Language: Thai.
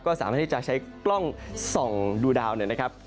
ก็สามารถที่จะใช้กล้องส่องดูดาวเนี่ยนะครับ